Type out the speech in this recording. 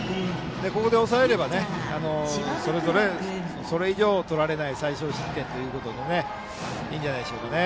ここで抑えればそれ以上は取られない最少失点ということでいいんじゃないでしょうか。